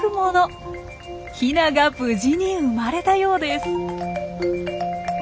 ヒナが無事に生まれたようです！